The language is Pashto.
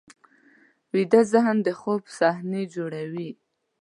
ویده ذهن د خوب صحنې جوړوي